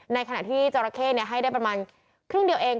ในขณะที่จราเข้ให้ได้ประมาณครึ่งเดียวเอง